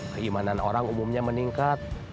keimanan orang umumnya meningkat